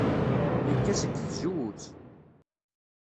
Nekka seg tzewwut.